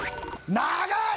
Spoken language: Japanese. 長い！